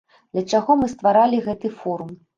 Для чаго мы стваралі гэты форум?